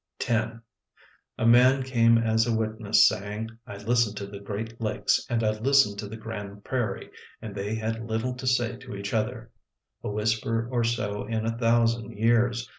10 A man came as a witness saying: '' I listened to the Great Lakes And I listened to the Grand Prairie, And they had little to say to each other, A whisper or so in a thousand years.